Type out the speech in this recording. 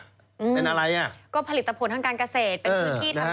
ก็ผลิตผลทางการเกษตรเป็นพื้นที่ทางการเกษตร